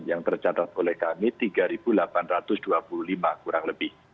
yang tercatat oleh kami tiga delapan ratus dua puluh lima kurang lebih